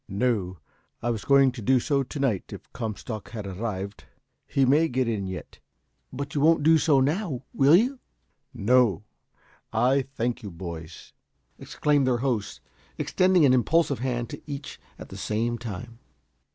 "No. I was going to do so to night, if Comstock had arrived. He may get in yet." "But you won't do so now will you?" "No! I thank you, boys," exclaimed their host, extending an impulsive hand to each at the same time.